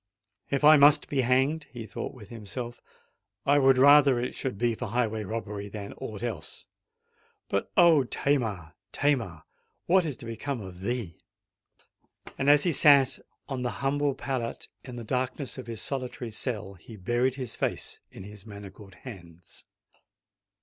"If I must be hanged," he thought within himself, "I would rather it should be for highway robbery than aught else!—But, O Tamar! Tamar! what is to become of thee?" And, as he sate on the humble pallet in the darkness of his solitary cell, he buried his face in his manacled hands.